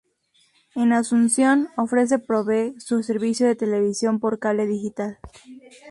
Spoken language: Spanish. En Asunción, ofrece provee su servicio de televisión por cable digital.